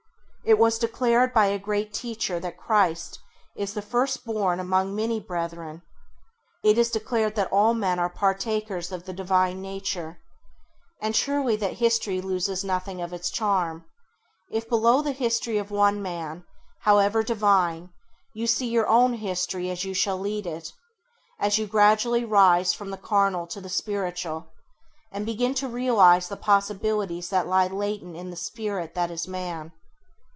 It was declared by a great Teacher that Christ is the "first born among many brethrenŌĆ£; it is declared that all men are partakers of the divine Nature; and surely that history loses nothing of its charm, if below the history of one man, however divine, you see your own history as you shall lead it, as you gradually rise from the carnal to the spiritual, and begin to realise the possibilities that lie latent in the Spirit that is man.